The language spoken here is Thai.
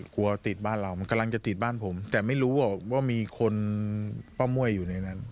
กลัวติดบ้านเรามันกำลังจะติดบ้านผมแต่ไม่รู้ว่ามีคนป้าม่วยอยู่ในนั้น